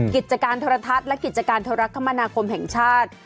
กิจการเทราะทัศน์กิจการเทอรักษ์คมนาคมแห่งชาติ